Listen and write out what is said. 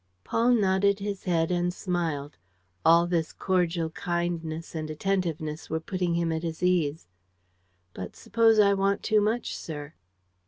Paul nodded his head and smiled. All this cordial kindness and attentiveness were putting him at his ease. "But suppose I want too much, sir?"